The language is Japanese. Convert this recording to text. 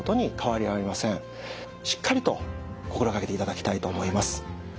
しっかりと心掛けていただきたいと思います。